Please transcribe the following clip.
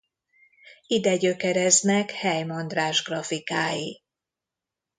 Ide gyökereznek Heim András grafikái.